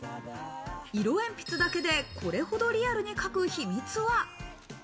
色鉛筆だけでこれほどリアルに描く秘密は。